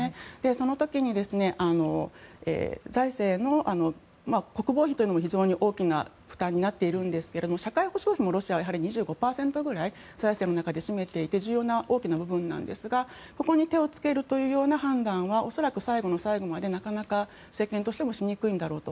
その時に財政の国防費というのも非常に大きな負担になっているんですが社会保障費もロシアは２５％ぐらい財政の中で占めていて重要な大きな部分なんですがここに手をつけるという判断は恐らく最後の最後までなかなか政権としてもしにくいんだろうと。